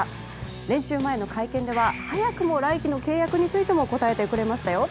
練習前の会見では早くも来季の契約についても答えてくれましたよ。